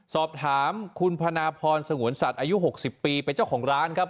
สอบถามคุณพนาพรสงวนสัตว์อายุ๖๐ปีเป็นเจ้าของร้านครับ